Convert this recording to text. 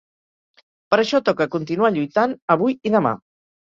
Per això toca continuar lluitant avui i demà.